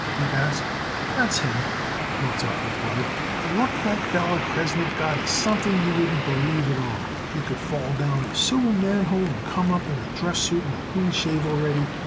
Abe asked. "That's him," Mozart replied. "The luck that feller Kresnick got it is something you wouldn't believe at all. He could fall down a sewer manhole and come up in a dress suit and a clean shave already.